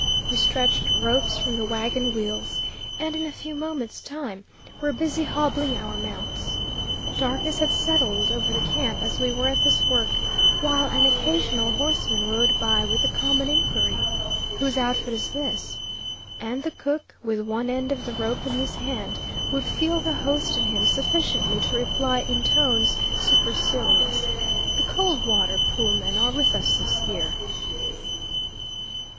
We stretched ropes from the wagon wheels, and in a few moments' time were busy hobbling our mounts. Darkness had settled over the camp as we were at this work, while an occasional horseman rode by with the common inquiry, "Whose outfit is this?" and the cook, with one end of the rope in his hand, would feel the host in him sufficiently to reply in tones supercilious, "The Coldwater Pool men are with us this year."